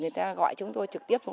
người ta gọi chúng tôi trực tiếp